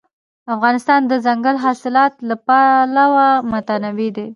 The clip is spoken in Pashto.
افغانستان د دځنګل حاصلات له پلوه متنوع دی.